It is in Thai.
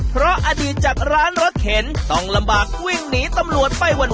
เพราะอดีตจากร้านรถเข็นต้องลำบากวิ่งหนีตำรวจไปวัน